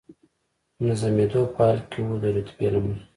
منظمېدو په حال کې و، د رتبې له مخې.